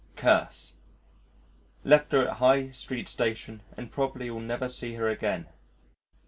Curse! Left her at High Street Station and probably will never see her again.